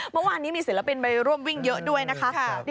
เมื่อวานนี้มีศิลปินไปร่วมวิ่งเยอะด้วยนะคะ